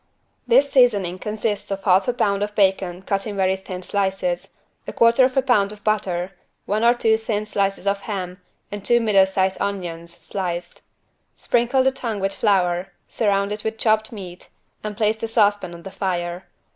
This seasoning consists of 1/2 lb. bacon cut in very thin slices, 1/4 lb. butter, one or two thin slices of ham and two middle sized onions, sliced. Sprinkle the tongue with flour, surround it with chopped meat and place the saucepan on the fire.